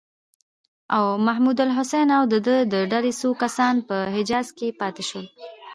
او محمودالحسن او د ده د ډلې څو کسان په حجاز کې پاتې شول.